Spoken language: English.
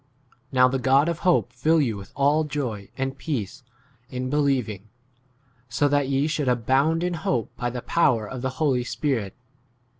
18 Now the God of hope fill you with all joy and peace in believing, so that ye should abound in hope by [the] power of [the] Holy Spirit.